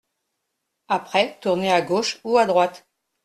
Après tournez à gauche ou à droite !